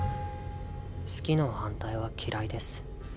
「好き」の反対は「嫌い」です。